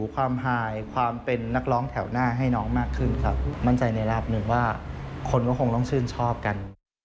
คนก็คงต้องชื่นชอบกัน